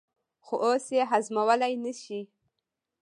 خو اوس یې هضمولای نه شي.